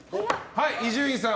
伊集院さん